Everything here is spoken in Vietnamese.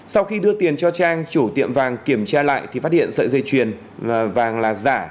sau khi đưa tiền cho trang chủ tiệm vàng kiểm tra lại thì phát hiện sợi dây chuyền vàng là giả